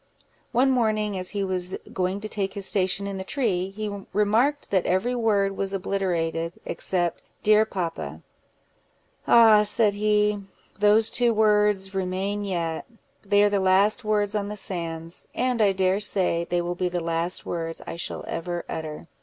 One morning, as he was going to take his station in the tree, he remarked that every word was obliterated, except "Dear papa."—"Ah!" said he, "those two words remain yet; they are the last words on the sands, and I dare say they will be the last words I shall ever utter.